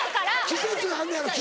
季節があんのやろ。